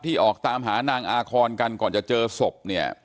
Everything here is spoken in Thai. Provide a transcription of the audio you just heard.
ที่ออกตามหานางอาคอนกันก่อนจะเจอศพ